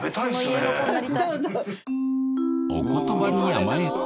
お言葉に甘えて。